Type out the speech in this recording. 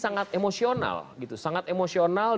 sangat emosional dan gak ada hubungannya sama rasionalisme